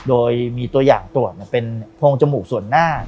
โดยมีตัวอย่างตรวจเป็นโพงจมูกส่วนหน้า